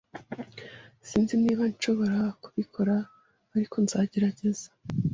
Sinzi niba nshobora kubikora, ariko nzagerageza.